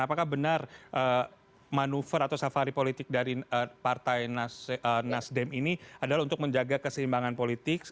apakah benar manuver atau safari politik dari partai nasdem ini adalah untuk menjaga keseimbangan politik